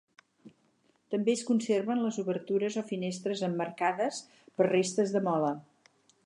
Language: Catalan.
També es conserven les obertures o finestres emmarcades per restes de mola.